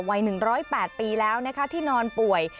วัย๑๐๘ปีแล้วนะคะที่นอนป่วย